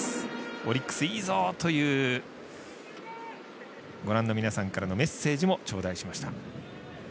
オリックスいいぞー！というご覧の皆さんからのメッセージもちょうだいしました。